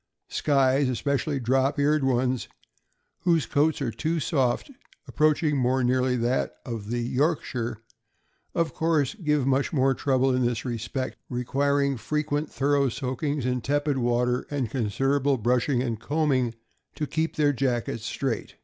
Skyes, especially drop eared ones, whose coats are too soft, approaching more nearly that of the Yorkshire, of course give much more trouble in this respect, requiring frequent thorough soakings in tepid water, and considerable brushing and combing, to keep their jackets straight.